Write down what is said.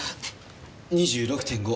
２６．５。